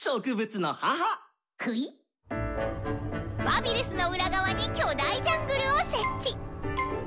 バビルスの裏側に巨大ジャングルを設置！